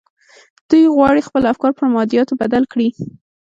دوی غواړي خپل افکار پر مادياتو بدل کړي.